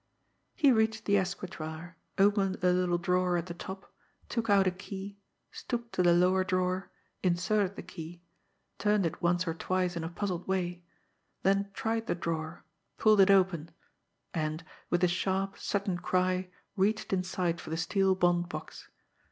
He reached the escritoire, opened a little drawer at the top, took out a key, stooped to the lower drawer, inserted the key, turned it once or twice in a puzzled way, then tried the drawer, pulled it open and with a sharp, sudden cry, reached inside for the steel bond box.